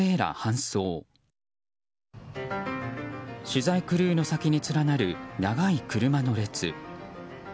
取材クルーの先に連なる長い車の列。